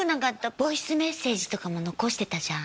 ボイスメッセージとかも残してたじゃん